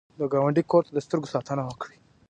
د ګاونډي کور ته د سترګو ساتنه وکړه